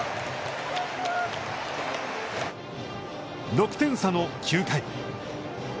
６点差の９回。